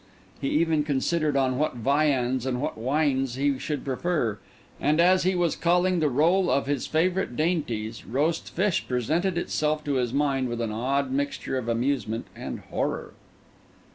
He even considered on what viands and what wines he should prefer; and as he was calling the roll of his favourite dainties, roast fish presented itself to his mind with an odd mixture of amusement and horror.